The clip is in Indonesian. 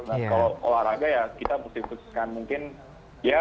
nah kalau olahraga ya kita mesti khususkan mungkin ya